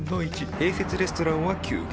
併設レストランは休業中。